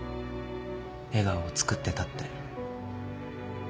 笑顔をつくってたって。